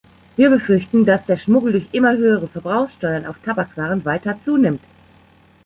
Wir befürchten, dass der Schmuggel durch immer höhere Verbrauchsteuern auf Tabakwaren weiter zunimmt.